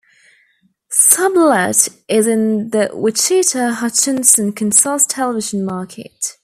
Sublette is in the Wichita-Hutchinson, Kansas television market.